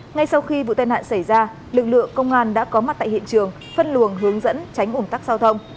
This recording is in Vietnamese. ngay sau khi vụ tai nạn xảy ra lực lượng công an đã có mặt tại hiện trường phân luồng hướng dẫn tránh ủn tắc giao thông